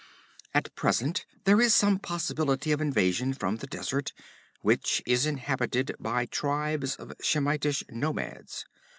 'At present there is some possibility of invasion from the desert, which is inhabited by tribes of Shemitish nomads.